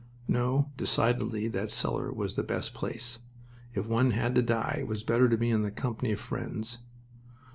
No, decidedly, that cellar was the best place. If one had to die it was better to be in the company of friends.